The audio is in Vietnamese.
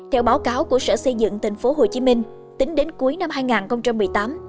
theo báo cáo của sở xây dựng tp hcm tính đến cuối năm hai nghìn một mươi tám